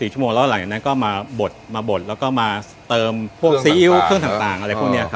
ชั่วโมงแล้วหลังจากนั้นก็มาบดมาบดแล้วก็มาเติมพวกซีอิ๊วเครื่องต่างอะไรพวกนี้